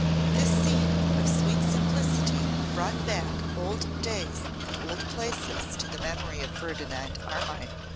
This scene of sweet simplicity brought back old days and old places to the memory of Ferdinand Armine.